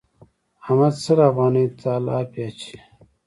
احمد سل افغانيو ته الاپی اچوي.